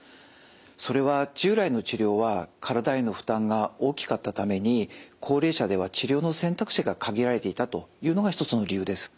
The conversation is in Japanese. それは従来の治療は体への負担が大きかったために高齢者では治療の選択肢が限られていたというのが一つの理由です。